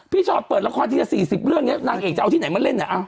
พี่ชอตเปิดละครที่จะ๔๐เรื่องนางเอกจะเอาที่ไหนมาเล่นอะ